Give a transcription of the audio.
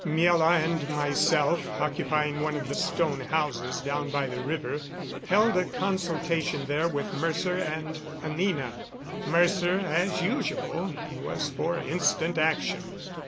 Miela and myself, occupying one of the stone houses down by the river, held a consultation there with Mercer and Anina. Mercer, as usual, was for instant action.